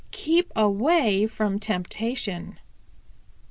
Keep away from temptation."